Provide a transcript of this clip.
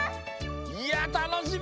いやたのしみ！